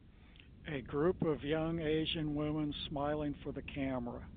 A group of young Asian women smiling for the camera